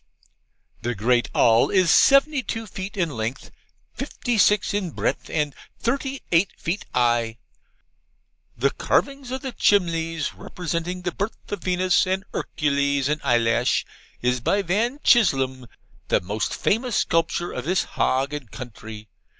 'The great all is seventy two feet in lenth, fifty six in breath, and thirty eight feet 'igh. The carvings of the chimlies, representing the birth of Venus, and Ercules, and Eyelash, is by Van Chislum, the most famous sculpture of his hage and country.